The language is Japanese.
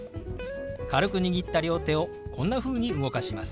軽く握った両手をこんなふうに動かします。